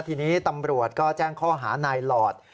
ทีนี้ตำรวจก็แจ้งข้อหานายหลอด